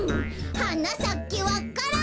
「はなさけわか蘭」